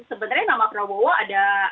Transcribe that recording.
sebenarnya nama prabowo ada